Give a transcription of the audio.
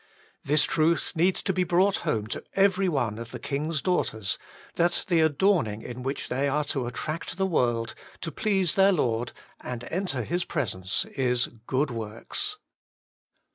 This truth needs to be brought home to every one of the King's daughters, that the adorning in which they are to attract the world, to please their Lord, and enter His pres ence is — good works.